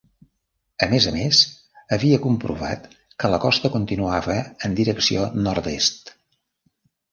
A més a més, havia comprovat que la costa continuava en direcció nord-est.